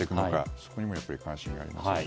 そこにも関心がありますね。